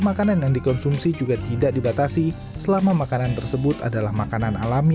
makanan yang dikonsumsi juga tidak dibatasi selama makanan tersebut adalah makanan alami